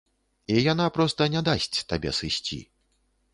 І яна проста не дасць табе сысці.